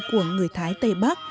của người thái tây bắc